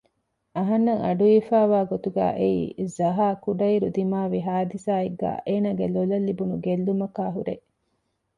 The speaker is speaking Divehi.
އަހަންނަށް އަޑުއިވިފައިވާ ގޮތުގައި އެއީ ޒަހާ ކުޑައިރު ދިމާވި ޙާދިޘާއެއްގައި އޭނާގެ ލޮލަށް ލިބުނު ގެއްލުމަކާއި ހުރޭ